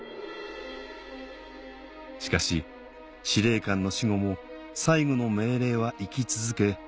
しかし司令官の死後も最後の命令は生き続け